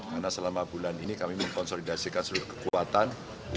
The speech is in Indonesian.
karena selama bulan ini kami mengkonsolidasikan seluruh kekuatan